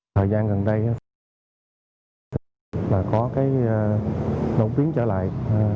thời gian gần đây là có cái đột biến trở lại